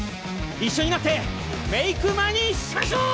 一緒になってメイクマニーしましょう！